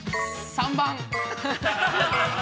３番。